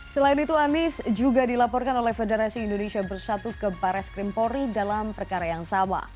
selain itu anies juga dilaporkan oleh federasi indonesia bersatu ke baris krimpori dalam perkara yang sama